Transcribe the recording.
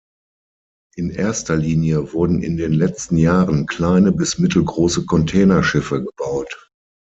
In erster Linie wurden in den letzten Jahren kleine bis mittelgroße Containerschiffe gebaut.